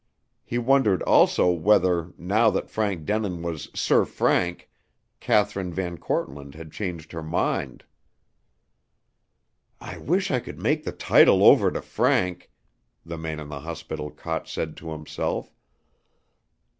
He wondered also whether, now that Frank Denin was "Sir Frank," Kathryn VanKortland had changed her mind. "I wish I could make the title over to Frank," the man in the hospital cot said to himself.